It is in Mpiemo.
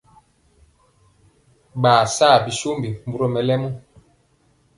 Ɓaa sa binjombi mburɔ mɛlɛmɔ.